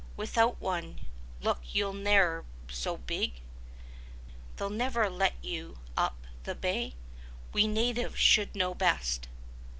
Without one, look you ne'er so big, They'll never let you up the bay! We natives should know best."